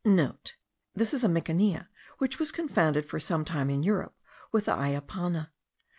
(* This is a mikania, which was confounded for some time in Europe with the ayapana.